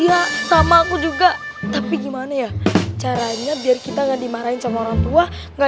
iya sama aku juga tapi gimana ya caranya biar kita nggak dimarahin sama orang tua enggak